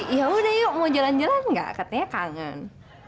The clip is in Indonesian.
yaudah yuk mau jalan jalan nggak katanya kangen